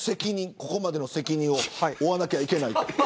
ここまでの責任を負わなきゃいけない。